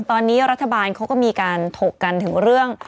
ตอนนี้รัฐบาลเขาก็มีการถกกันถึงเรื่อง